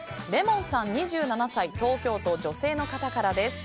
２７歳東京都女性の方からです。